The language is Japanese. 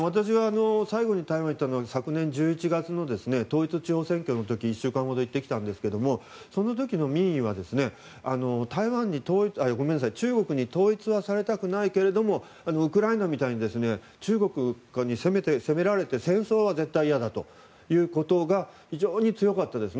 最後に台湾に行ったのが昨年１１月の統一地方選挙の時１週間ほど行ってきましたがその時の民意は中国に統一はされたくないがウクライナみたいに中国に攻められて戦争は絶対にいやだということが非常に強かったです。